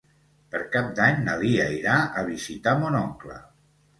Per Cap d'Any na Lia irà a visitar mon oncle.